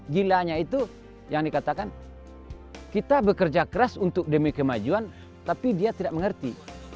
gilanya itu yang dikatakan kita bekerja keras untuk demi kemajuan tapi dia tidak mengerti